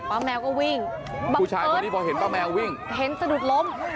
แมวก็วิ่งผู้ชายคนนี้พอเห็นป้าแมววิ่งเห็นสะดุดล้ม